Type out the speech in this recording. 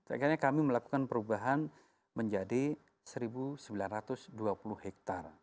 akhirnya kami melakukan perubahan menjadi satu sembilan ratus dua puluh hektare